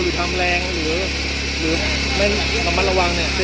วิ่งทรัพย์เหมือนระวังราว